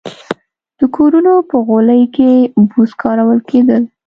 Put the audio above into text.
د کورونو په غولي کې بوس کارول کېدل.